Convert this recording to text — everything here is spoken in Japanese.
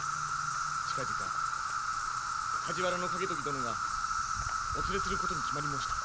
近々梶原景時殿がお連れすることに決まり申した。